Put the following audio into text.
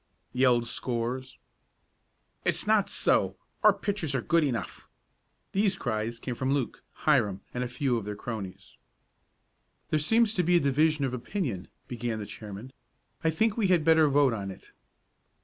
yelled scores. "It's not so! Our pitchers are good enough!" These cries came from Luke, Hiram and a few of their cronies. "There seems to be a division of opinion," began the chairman. "I think we had better vote on it."